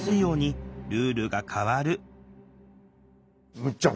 むっちゃん